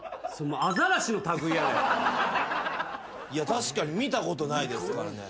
確かに見たことないですからね。